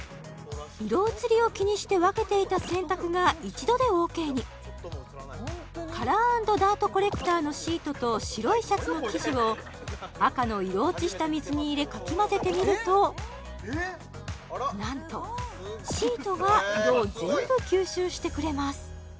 色移りを気にして分けていた洗濯が一度でＯＫにカラー＆ダートコレクターのシートと白いシャツの生地を赤の色落ちした水に入れかきまぜてみると何とシートが色を全部吸収してくれます